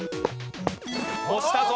押したぞ。